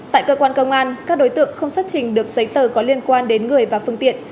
tại cơ quan công an các đối tượng không xuất trình được giấy tờ có liên quan đến người và phương tiện